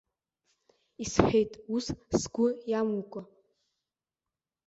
Исҳәеит ус, сгәы иамукәа.